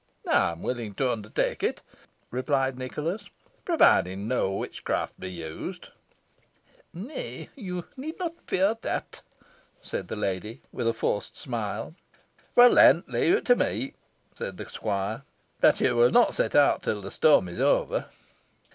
"I am willing to undertake it," replied Nicholas, "provided no witchcraft be used." "Nay, you need not fear that," said the lady, with a forced smile. "Well, then, leave it to me," said the squire; "but you will not set out till the storm is over?"